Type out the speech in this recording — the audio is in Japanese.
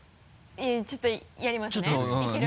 ちょっとやりますね。